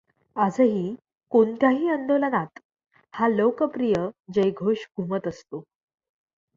आजही कोणत्याही आंदोलनात हा लोकप्रिय जयघोष घुमत असतो.